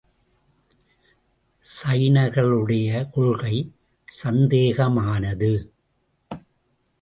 ஜைனர்களுடைய கொள்கை சந்தேகமானது.